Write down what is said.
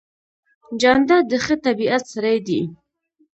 جانداد د ښه طبیعت سړی دی.